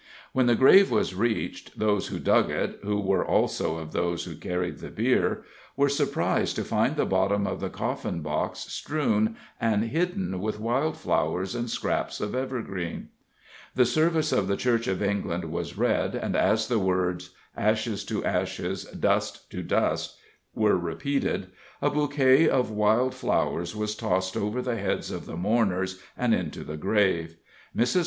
When the grave was reached, those who dug it who were also of those who carried the bier were surprised to find the bottom of the coffin box strewn and hidden with wild flowers and scraps of evergreen. The service of the Church of England was read, and as the words, "Ashes to ashes; dust to dust," were repeated, a bouquet of wild flowers was tossed over the heads of the mourners and into the grave. Mrs.